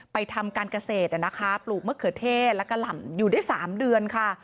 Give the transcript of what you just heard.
ทำการเกษตรนะคะปลูกมะเขือเทศและกะหล่ำอยู่ได้๓เดือนค่ะ